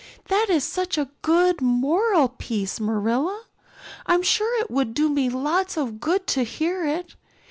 That is such a good moral piece, Marilla, I'm sure it would do me lots of good to hear it.